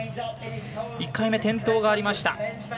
１回目、転倒がありました。